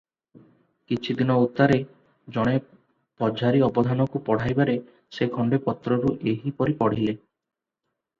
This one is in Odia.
କିଛିଦିନ ଉତ୍ତାରେ ଜଣେ ପଝାରି ଅବଧାନକୁ ପଢ଼ାଇବାରେ ସେ ଖଣ୍ତେ ପତ୍ରରୁ ଏହିପରି ପଢ଼ିଲେ -